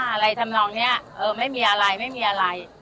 อะไรทำนองนี้เออไม่มีอะไรไม่มีอะไร